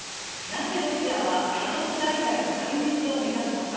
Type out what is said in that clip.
なぜ、ロシアはアゾフ大隊の壊滅を目指すのか。